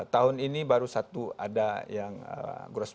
tahun ini baru satu ada yang grossroo